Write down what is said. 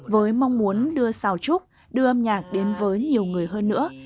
với mong muốn đưa xào trúc đưa âm nhạc đến với nhiều người hơn nữa